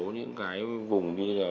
những cái vùng như là